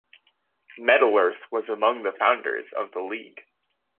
Metalurh was among the founders of the League.